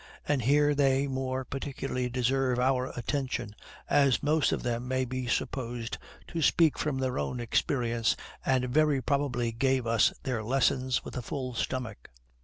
And here they more particularly deserve our attention, as most of them may be supposed to speak from their own experience, and very probably gave us their lessons with a full stomach.